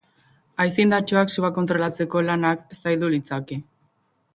Haize indartsuak sua kontrolatzeko lanak zaildu litzake.